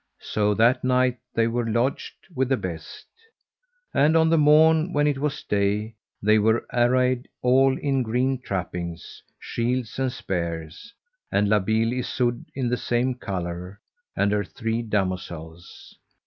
So that night they were lodged with the best. And on the morn when it was day they were arrayed all in green trappings, shields and spears, and La Beale Isoud in the same colour, and her three damosels.